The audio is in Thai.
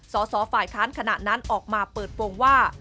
สสฝ่ายค้านขณะนั้นออกมาเปิดโปรงว่า